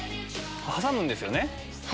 挟むんですよね。